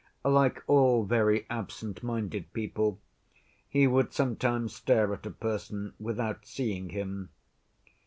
Like all very absent‐minded people he would sometimes stare at a person without seeing him.